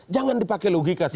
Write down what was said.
jangan dipakai logika sama